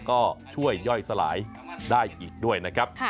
ก็ช่วยย่อยสลายได้อีกด้วยนะครับ